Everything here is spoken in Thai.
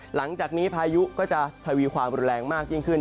หลังจากนี้พายุก็จะทวีความรุนแรงมากยิ่งขึ้น